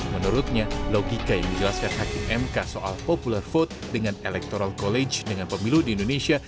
menurutnya logika yang dijelaskan hakim mk soal popular vote dengan electoral college dengan pemilu di indonesia